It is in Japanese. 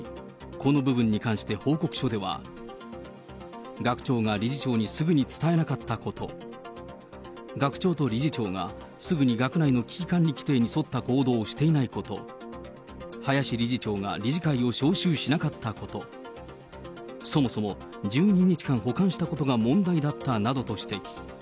この部分に関して、報告書では、学長が理事長にすぐに伝えなかったこと、学長と理事長がすぐに学内の危機管理規定に沿った行動をしていないこと、林理事長が理事会を招集しなかったこと、そもそも１２日間保管したことが問題だったなどと指摘。